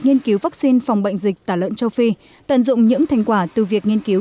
nghiên cứu vaccine phòng bệnh dịch tả lợn châu phi tận dụng những thành quả từ việc nghiên cứu